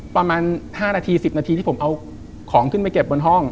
ประมาณ๕นาที๑๐นาทีที่ผมเอาของขึ้นไปเก็บบนห้อง